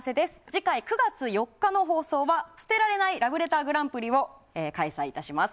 次回９月４日の放送は捨てられないラブレターグランプリを開催いたします。